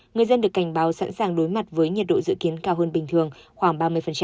người dân được cảnh báo sẵn sàng đối mặt với nhiệt độ dự kiến cao hơn bình thường khoảng ba mươi